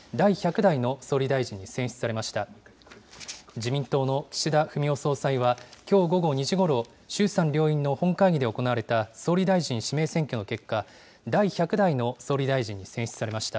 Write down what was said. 自民党の岸田文雄総裁はきょう午後２時ごろ、衆参両院の本会議で行われた総理大臣指名選挙で、第１００代の総理大臣に選出されました。